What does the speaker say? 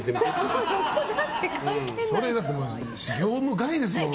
それ、だって業務外ですもん